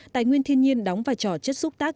tài nguyên thiên nhiên đóng vai trò chất xúc tác